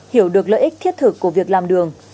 hiểu được lợi ích thiết thực của việc làm đường